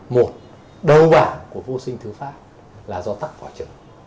một đầu bản của vô sinh thứ pháp là do tắc vỏ trứng